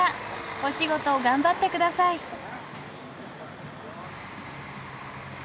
お仕事頑張って下さい。